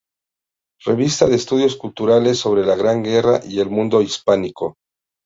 Revista de estudios culturales sobre la Gran Guerra y el mundo hispánico.